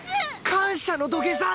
感謝の土下座！？